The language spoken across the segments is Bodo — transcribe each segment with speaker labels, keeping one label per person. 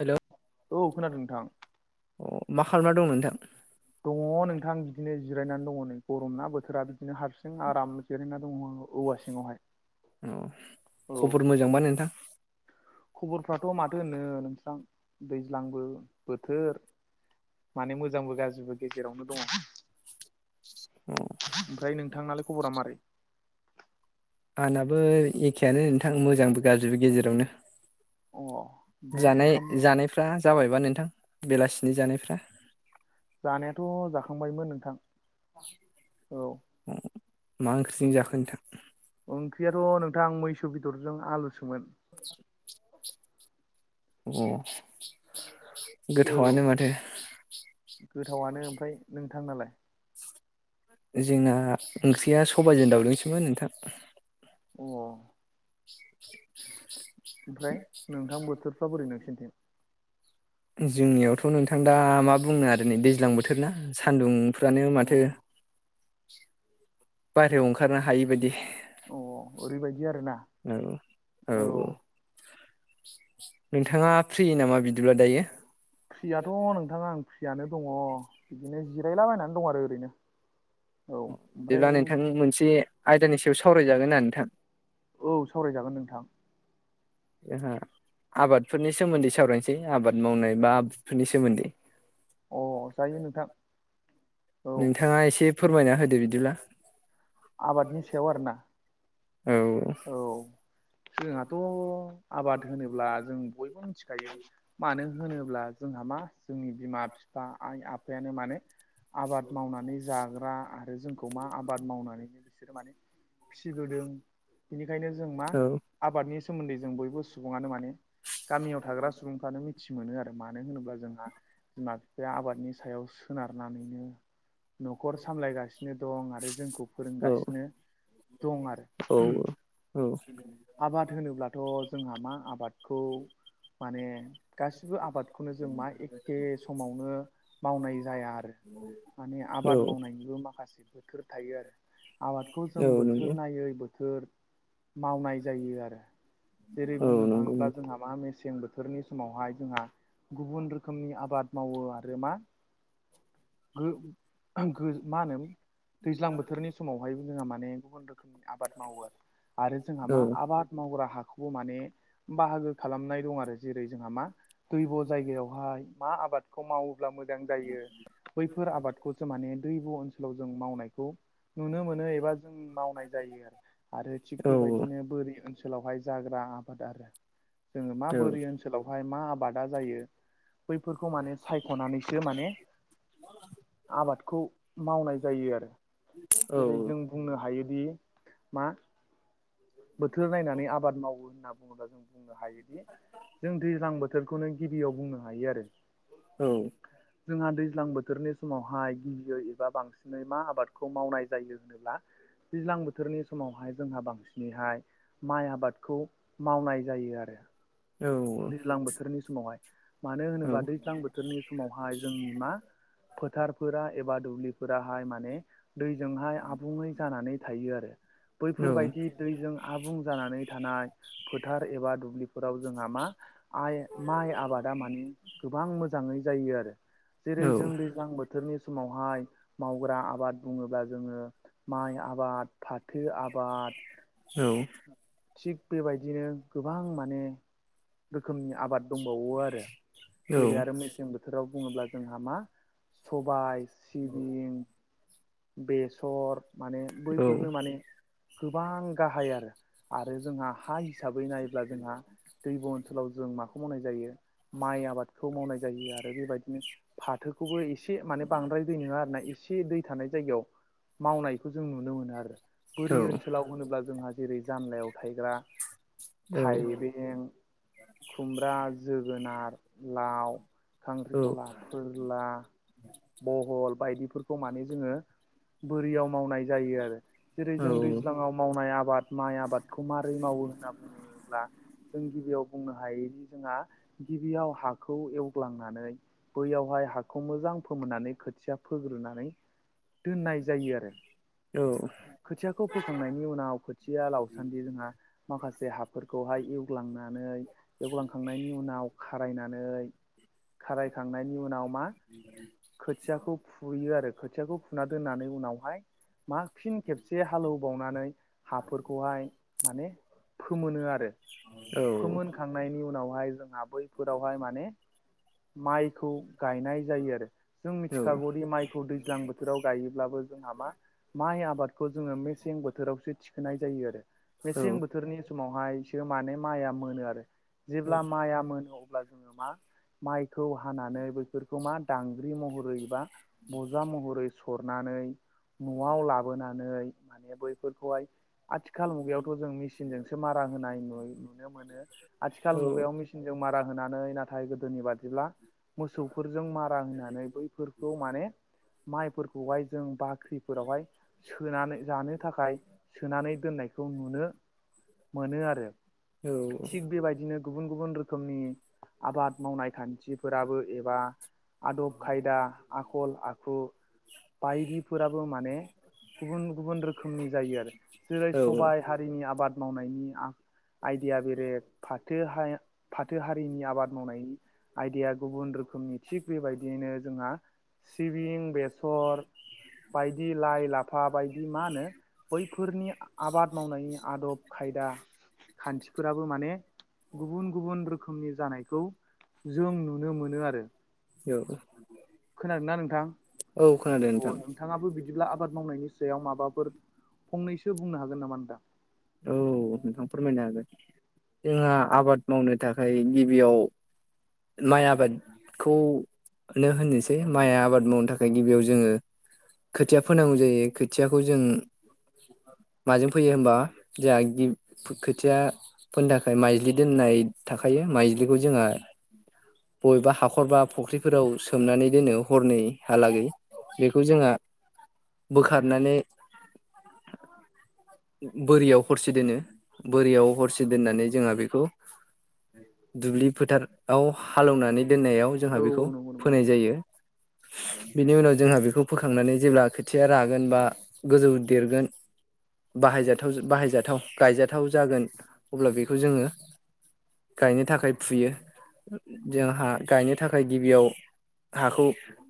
Speaker 1: हेलौ
Speaker 2: आं औ खोनादों नोंथां
Speaker 1: अ मा खालामना दं नोंथां?
Speaker 2: दङ नोंथां बिदिनो जिरायनानै दङ नै गरम ना बोथोरा बिदिनो हारसिं जों आराम जिरायना दङ औवा सिङावहाय औ।
Speaker 1: जोंबा नोंथां।
Speaker 2: खबरफ्राथ' माथो होनो नोंस्रां दैज्लांबो बोथोर माने मोजांबो गाज्रिबो गेजेरावनो दङ।
Speaker 1: उम।
Speaker 2: ओमफ्राय नोंथांनालाय खबरा मारै?
Speaker 1: आंनाबो एखेयानो नोंथां मोजांबो गाज्रिबो गेजेरावनो जुदि
Speaker 2: अ ओमफ्राय
Speaker 1: जानाय
Speaker 2: ओंखाम
Speaker 1: जानायफ्रा जाबायबा नोंथां बेलासिनि जानायफ्रा?
Speaker 2: जानायाथ' जाखांबायमोन नोंथां औ।
Speaker 1: अ मा ओंख्रिजों जाखो नोंथां?
Speaker 2: ओंख्रियाथ' नोंथां मैसो बेदरजों आलुसोमोन
Speaker 1: [unintelligible] अ गोथावआनो माथो।
Speaker 2: गोथावनो ओमफ्राय नोंथां नालाय।
Speaker 1: जोंना ओंख्रिया सबाजजों दावउदोंसोमोन।
Speaker 2: अ
Speaker 1: [unintelligible]
Speaker 2: ओमफ्राय नोंथां बोथोरफ्रा बोरै नोंसिनिथिं
Speaker 1: जोंनियावथ' नोंथां दा मा बुंनो आरो नै दैज्लां बोथोर ना सान्दुंफ्रानो माथो
Speaker 2: अ
Speaker 1: बाहेरायाव ओंखारनो हायि बदि
Speaker 2: अ ओरैबायदि आरोना
Speaker 1: औ औ औ। नोंथाङा फ्रि नामा बिदिब्ला दायो
Speaker 2: फ्रियाथ' नोंथाङा आं फ्रियानो दङ बिदिनो जिरायलाबायनानै दं आरो ओरैनो। औ
Speaker 1: अ
Speaker 2: ओमफ्राय
Speaker 1: बिदिब्ला नोंथां मोनसे आयदानि सायाव सावरायजागोना नोंथां?
Speaker 2: औ सावरायजागोन नोंथां।
Speaker 1: जोंहा आबादफोरनि सोमोन्दै सावरायनोसै आबाद मावनाय बा आबादफोरनि सोमोन्दै अ
Speaker 2: अ जायो नोंथां। औ
Speaker 1: नोंथाङा एसे फोरमायना होदो बिदिब्ला‌ ओम
Speaker 2: आबादनि सायाव आरो ना
Speaker 1: औ औ
Speaker 2: औ जोंहाथ' आबाद होनोब्ला जों बयबो मिथिखायो। मानो होनोब्ला जोंहा मा जोंनि बिमा बिफा आइ आफायानो मानोे। आबाद मावनानै जाग्रा आरो जोंखौ मा आबाद मावनानैनो बिसोरो मानो फिसिबोदों बिनिखायनो जों मा
Speaker 1: औ
Speaker 2: आबादनि सोमोन्दै जों बयबो सुबुङानो माने गामियाव थाग्रा सुबुं फ्रानो मिथि मोनो आरो मानो होनोब्ला जोंहा बिमा बिफाया आबादनि सायाव सोनारनानैनो न'खर सामलायगासिनो दं आरो जोंखौ
Speaker 1: औ
Speaker 2: फोरोंगासिनो दं आरो।
Speaker 1: औ।
Speaker 2: आबाद होनोब्लाथ जोंहा मा आबादखौ माने ओ गासिबो आबादखौनो जों मा एखे समावनो मावनाय जाया आरो माने
Speaker 1: औ
Speaker 2: आबाद मावनायनिबो माखासेफोर बोथोर थायो आरो आबादखौ जों
Speaker 1: औ नंगौ
Speaker 2: बोथोर नायै बोथोर मावनाय जायो आरो जेरै
Speaker 1: औ
Speaker 2: बुंनो
Speaker 1: नंगौ
Speaker 2: थाङोब्ला जोंहा मा मेसें मेसें बोथोरनि समावहाय जोंहा गुबुन रोखोमनि आबाद मावो आरो मा मा मा होनो दैज्लां बोथोरनि समावहाय जोंहा माने गुबुन रोखोमनि आबाद मावो आरो। आरो जोंहा
Speaker 1: औ
Speaker 2: मा आबाद मावग्रा हाखौबो माने बाहागो खालामनाय दं आरो जेरै जोंहा मा दैब' जायगायावहाय मा आबादखौ मावोब्ला मोजां जायो बैफोर आबाद खौसो माने दैब ओनसोलाव जों मावनायखौ नुनो मोनो एबा जों मावनाय जायो आरो। आरो थिग
Speaker 1: औ
Speaker 2: बेबायदिनो बोरि ओनसोलावहाय जाग्रा आबाद आरो जोङो मा
Speaker 1: औ
Speaker 2: बोरै ओनसोल ओनसोलावहाय मा आबादा जायो बैफोरखौ माने सायखनानैसो माने ओ आबादखौ मावनाय जायो आरो
Speaker 1: औ
Speaker 2: जेरै जोंना बुंनो हायोदि मा बोथोर नायनानै आबाद मावो होननानै बुङोब्ला जों बुंनो हायोदि जों दैज्लां बोथोरखौनो गिबियाव बुंनो हायो आरो
Speaker 1: औ।
Speaker 2: जोंहा दैज्लां बोथोरनि समावहाय गिबियै एबा बांसिनै। बांसिनै मा आबादखौ मावनाय जायो होनोब्ला दैज्लां बोथोरनि समावहाय जोंहा बांसिन दिनैहाय माइ आबादखौ मावनाय जायो आरो।
Speaker 1: औ औ
Speaker 2: दैज्लां बोथोरनि समावहाय मानो होनोबा दैज्लां बोथोरनि समावहाय जोंनि मा फोथारफोरा एबा दुब्लिफोराहाय माने दैजोंहाय आबुङै जानानै थायो आरो बैफोरबादि दैजों आबुं जानानै थानाय फोथार एबा दुब्लि बेफोराव जोंहा मा? माइ आबादा माने गोबां मोजाङै जायो आरो जेरै जों दै दैज्लां बोथोरनि समावहाय मावग्रा आबाद बुङोब्ला जोङो माइ आबाद फाथो आबाद
Speaker 1: औ
Speaker 2: थिग बेबायदिनो गोबां माने रोखोमनि आबाद दंबावो आरो। जेरै आरो मेसें बोथोराव बुङोब्ला जोंहा मा सबाय ओ सिबिं बेसर माने बैफोरनो माने गोबां गाहाय आरो आरो जोंहा हा हिसाबै नायोब्ला जोंहा दैब ओनसोलाव जों माखौ मावनाय जायो। माइ आबादखौ मावनाय जायो आरो बेबायदिनो। फाथोखौबो एसे माने बांद्राय दै नङा आरो ना एसे दै थानाय जायगायाव। मावनायखौ जों नुनो मोनो आरो बोरि ओनसोलाव होनोब्ला जोंहा जेरै जानलायाव थायग्रा थाइबें खुमब्रा जोगोनार लाव खांख्रिखला फोरला बहल बायदिफोरखौ माने जोङो बोरियाव मावनाय जायो आरो। जेरै जों दैज्लाङाव मावनाय आबाद माइ आबादखौ माबोरै मावो होनना बुङोब्ला जों गिबियाव बुंनो हायोदि जोंहा गिबियाव हाखौ एवग्लांनानै बैयावहाय हाखौ मोजां। फोमोननानै खोथिया फोग्रोनानै दोननाय जायो आरो। खोथियाखौ फोखांनायनि उनाव खोथिया लावसान्दि जोंहा माखासे हाफोरखौहाय एवग्लांनानै आइइउडिएफ जवग्लांखांनायनि उनाव खारायनानै खारायखांनायनि उनाव मान
Speaker 1: [inaudible]
Speaker 2: खोथियाखौ फुयो आरो खोथियाखौ फुना दोननानै उनावहाय मा फिन खेबसे हालेवबावनानै हाफोरखौहाय माने फोमोनो आरो फोमोनखांनायनि उनावहाय जोंहा बै- फोरावहाय माने माइखौ गायनाय जायो आरो। जों मिथिखागौदि माइखौ दैज्लां बोथोराव गायोब्लाबो जोंहा मा माइ आबादखौ जोङो मेसें बोथोरावसो थिखोनाय जायो ओ आरो मेसें बो थोरनि समावहायसो माने माइआ मोनो आरो जेब्ला माइआ मोनो अब्ला जोङो मा माइखौ हानानै बैफोरखौ मा दां ग्रिद महरै बा बजा महरै सरनानै न'आव लाबोनानै माने बैफोरखौहाय आथिखाल मुगायावथ' जों मिसिनजोंसो मारा होनाय नु नुनो मोनो आथिखाल मुगायाव मिसिन जों मारा होनानै नाथाय गोदोनि बादिब्ला मोसौफोरजों मारा होनानैनो बैफोरखौ माने माइफोरखौहाय जों बाख्रिफोरावहाय सोनानै जानो थाखाय सोनानै दोननायखौ नुनो। मोनो आरो थिग बेबायदिनो गुबुन गुबुन रोखोमनि आबाद मावनाय खान्थिफोराबो एबा आदब खायदा आखल -खु बायदिफोराबो माने गुबुन गुबुन रोखोमनि जायो आरो जेरै सबाइ हारिनि आबाद मावनायनि आइदिया बेरेका फाथ फाथो हारिनि आबाद मावनायनि आयदाया गुबुन रोखोमनि थिग बेबा बिदिनो जोंहा सिबिं बेसर बायदि लाइ लाफा बायदि मा होनो? बैफोरनि आबाद मावनायनि आदब खायदा खान्थिफोराबो माने गुबुन गुबुन रोखोमनि जानायखौ जों नुनो मोनो आरो।
Speaker 1: औ।
Speaker 2: खोनादों ना नोंथांखौ?
Speaker 1: औ खोनादों नोंथां।
Speaker 2: नोंथाङाबो बिदिब्ला आबाद मावनायनि सायाव माबाफोर फंनैसो बुंनो हागोन नामा नोंथां?
Speaker 1: औ नोंथां फोरमायनो हागोन जोंहा आबाद मावनो थाखाय गिबियाव माइ आबादखौ नो होननोसै माइ आबाद मावनो थाखाय गिबियाव जोङो खोथिया फोनांगौ जायो खोथियाखौ जों माजों फोयो होमबा? जोंहा गिबि खोथिया फोनो थाखाय माइज्लि दोननाय थाखायो माइज्लिखौ जोंहा बबेबा हाखर बा फुख्रिफोराव सोमनानै दोनो हरनैहालागैब बेखौ जोंहा बोखारनानै बोरियाव हरसे दोनो बोरियाव हरसे दोननानै जोंहा बेखौ दुब्लि फोथाराव हालैनानै दोननायावनो जोंहा
Speaker 2: औ
Speaker 1: बेखौ
Speaker 2: नंगौ नंगौ
Speaker 1: फोनाय
Speaker 2: नोंथां।
Speaker 1: जायो। बेनि उनाव जोंहा बेखौ फोखांनानै जेब्ला खोथिया रागोन बा गोजौ देरगोन बाहायजाथाव बाहायजाथाव गायजाथाव जागोन अब्ला बेखौ जोङो गायनो थाखाय फुयो जोंहा गायनो थाखाय गिबियाव हाखौ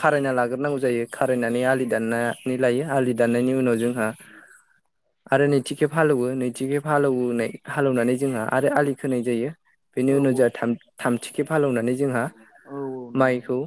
Speaker 1: खारायना लाग्रोनांगौ जायो खारायनानै आलि दाननानै लायो आलि दाननायनि उनाव जोंहा आरो नैथिखे हालेौवो नैथिखे फालौनाय हालेवनानै जोंहा आरो आलि खोनाय जायो। बेनि
Speaker 2: औ
Speaker 1: उनाव
Speaker 2: औ
Speaker 1: जाय थामथिखेब हाल एवनानै जोंहा
Speaker 2: औ औ नंगौ नोंथां।
Speaker 1: माइखौ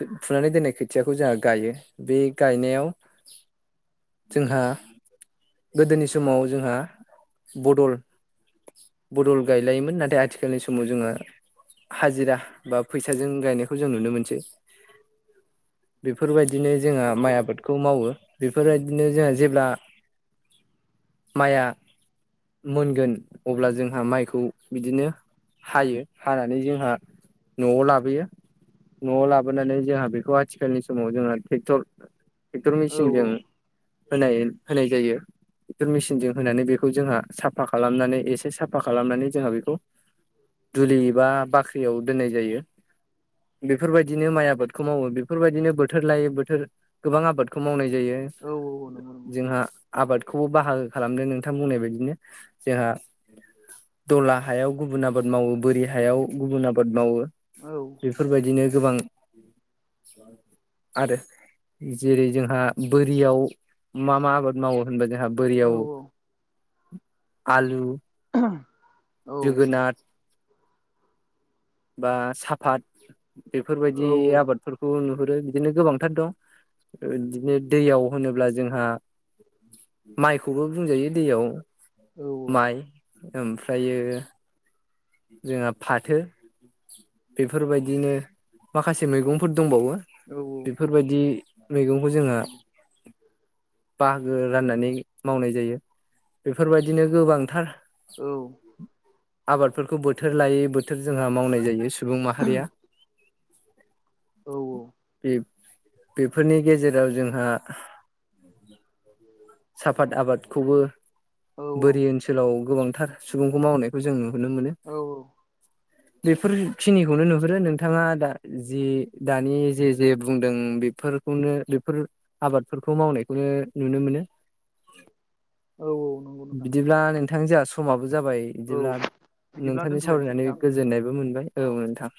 Speaker 1: फुनानै दोननाय खोथियाखौ जोंहा ओ गायो बे गायनायाव जोंहा गोदोनि समाव जोंहा बदल बदल गायलायोमोन नाथाय आथिखालनि समाव जोङो हाजिरा बा फैसाजों गायनायखौ आं जों नुनो मोनसै बेफोरबायदिनो जोंहा
Speaker 2: औ
Speaker 1: माइ आबादखौ मावो बेफोरबायदिनो जोंहा जेब्ला माइआ मोनगोन अब्ला जोंहा माइखौ बिदिनो हायो हानानै जोंहा न'आव लाबोयो। न'आव लाबोनानै जोंहा बेखौ आथिखालनि समाव जोंहा ट्रेक्टर ट्रेक्टर
Speaker 2: औ
Speaker 1: मेसिनजों होनाय होनाय जायो। बेर मेसिनजों होनानै बेखौ जोंहा साफा खालामनानै एसे साफा खालामनानै जोंहा बेखौ ओ दुलि बा बाख्रियाव दोननाय जायो आरो। बेफोरबायदिनो माइ आबादखौ मावो बेफोरबायदिनो बोथोर लाय बोथोर गोबां आबादखौ मावनाय जायो।
Speaker 2: औ औ औ नं
Speaker 1: जोंहा आबादखौबो बाहागो खालामदों नोंथां बुंनाय बायदिनो जोंहा दला हायाव गुबुन आबाद मावो बोरि हायाव गुबुन आबाद मावो।
Speaker 2: ओ
Speaker 1: बेफोरबादिनो गोबां आरो जेरै जोंहा बोरियाव मा मा? मावो आबाद होनबा जोंहा
Speaker 2: औ
Speaker 1: बोरियाव
Speaker 2: औ
Speaker 1: आलु
Speaker 2: [inaudible]
Speaker 1: जोगोनार बा साफात बेफोरबादि आबाद फोरखौ नुहुरो बिदिनो गोबांथार दं बिदिनो दैयाव होनोब्ला जोंहा माइखौबो बुंजायो दैयाव माइ ओमफ्रायो जोंहा फाथो बेफोरबायदिनो माखासे मैगंफोर दंबावो ओ बेफोरबायदि मैगंखौ जोंहा बाहागो राननानै मावनाय जायो बेफोरबायदिनो गोबांथारो
Speaker 2: औ।
Speaker 1: बेफोरखौ बोथोर लायै बोथोर जोंहा मावनाय जायो सुबुं माहारिया बेफोरनि गेजेराव जोंहा साफात आबादखौबो बोरि ओनसोलाव गोबांथार सुबुंखौ मावनायखौ जों नुहोनो मोनो।
Speaker 2: औ औ।
Speaker 1: [inaudible] बेफोरखिनिखौनो नुहुरो नोंथाङा दा जि दानि जे जे बुंदों बेफोर खौनो बेफोर आबादफोरखौ मावनायखौनो नुनो मोनो।
Speaker 2: औ औ नंगौ नोंथां।
Speaker 1: बिदिब्ला नोंथां जोंहा समाबो जाबाय
Speaker 2: औ
Speaker 1: बिदिब्ला
Speaker 2: बिदिब्ला
Speaker 1: नोंथांनि
Speaker 2: दोनथ'लायनोसै
Speaker 1: सावरायनानै
Speaker 2: नोंथां
Speaker 1: गोजोननायबो मोनबाय औ नोन्थां।